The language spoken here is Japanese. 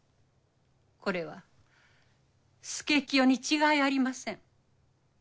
これは佐清に違いありません。